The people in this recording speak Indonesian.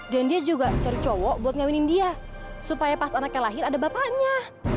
dan dia juga cari cowok buat ngawinin dia supaya pas anaknya lahir ada bapaknya